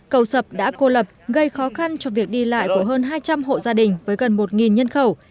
cầu sập đã cô lập gây khó khăn cho việc đi lại của hơn hai trăm linh hộ gia đình với gần một nhân khẩu